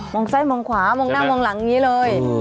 งซ้ายมองขวามองหน้ามองหลังอย่างนี้เลย